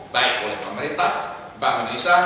baik oleh pemerintah bank indonesia